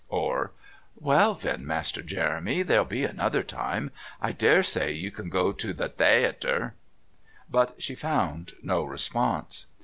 or "Well, then, Master Jeremy, there'll be another time, I dare say, you can go to the the ayter..." But she found no response.